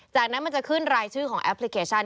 จากนั้นมันจะขึ้นรายชื่อของแอปพลิเคชัน